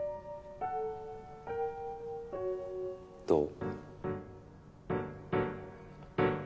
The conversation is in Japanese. どう？